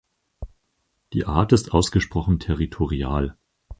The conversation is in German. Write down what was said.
Die Art ist ausgesprochen territorial.